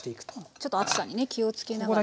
ちょっと熱さにね気を付けながら。